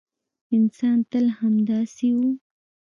انسان تل همداسې و.